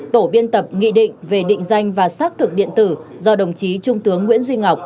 tổ biên tập nghị định về định danh và xác thực điện tử do đồng chí trung tướng nguyễn duy ngọc